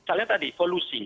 misalnya tadi polusi